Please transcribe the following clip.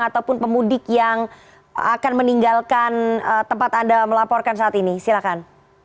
ataupun pemudik yang akan meninggalkan tempat anda melaporkan saat ini silahkan